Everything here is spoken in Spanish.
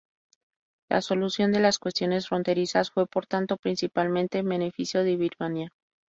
La solución de las cuestiones fronterizas fue, por tanto, principalmente en beneficio de Birmania.